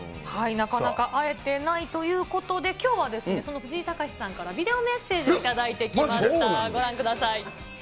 なかなか会えてないということで、きょうはその藤井隆さんからビデオメッセージを頂いてきました。